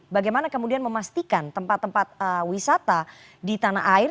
bagaimana kemudian memastikan tempat tempat wisata di tanah air